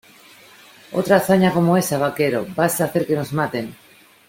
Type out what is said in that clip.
Otra hazaña como esa, vaquero , va a hacer que nos maten.